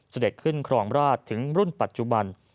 เสด็จขึ้นครองราชถึงรุ่นปัจจุบัน